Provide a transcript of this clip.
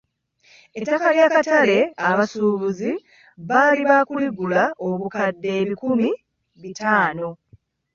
Ettaka ly'akatale abasuubuzi baali baakuligula obukadde ebikumi bitaano.